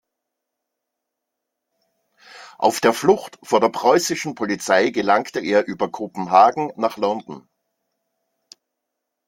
Auf der Flucht vor der preußischen Polizei gelangte er über Kopenhagen nach London.